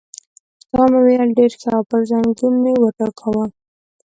ورته مې وویل: ډېر ښه، او پر زنګون مې وټکاوه.